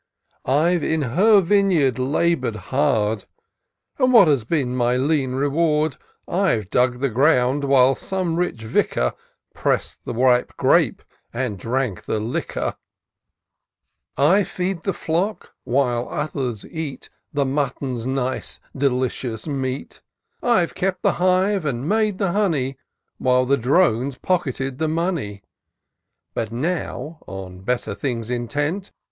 I've in her vineyard labour'd hard, And what has been my lean reward ? I've dug the ground, while some rich Vicar Press'd the ripe grape, and drank the liquor ; I feed the flock, while others eat The mutton's nice, delicious meat ; I've kept the hive, and made the honey. While the drones pocketed the money. But now, on better things intent.